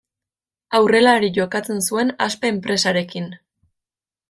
Aurrelari jokatzen zuen, Aspe enpresarekin.